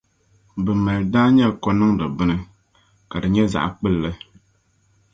bɛ mali daanya kɔniŋdi bini ka di nyɛ zaɣ’ kpilli.